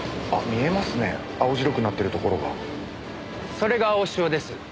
それが青潮です。